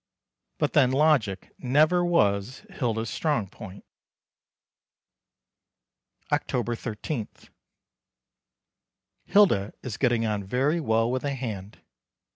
But then logic never was Hilda's strong point. October 13. Hilda is getting on very well with the hand.